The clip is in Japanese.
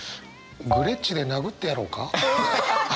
グレッチで殴ってやろうか？